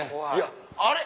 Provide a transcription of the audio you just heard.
あれ？